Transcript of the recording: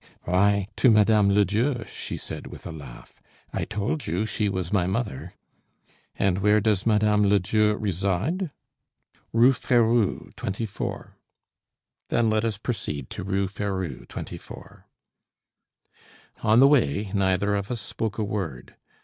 "Why, to Mme. Ledieu," she said with a laugh. "I told you she was my mother." "And where does Mme. Ledieu reside?" "Rue Ferou, 24." "Then, let us proceed to Rue Ferou, 24." On the way neither of us spoke a word.